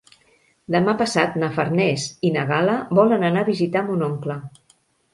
Demà passat na Farners i na Gal·la volen anar a visitar mon oncle.